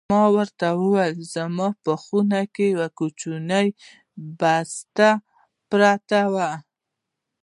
ما ورته وویل: زما په خونه کې یوه کوچنۍ بسته پرته ده.